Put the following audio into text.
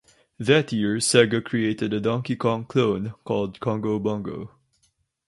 That year Sega created a "Donkey Kong" clone called "Congo Bongo".